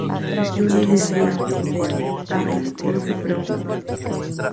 Yo le decía: –‘Ave, no se preocupe’.